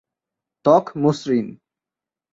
ত্বক মসৃণ।